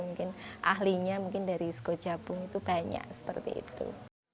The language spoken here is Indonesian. mungkin ahlinya mungkin dari segajabung itu banyak seperti itu